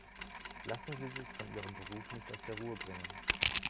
Lassen Sie sich von Ihrem Beruf nicht aus der Ruhe bringen.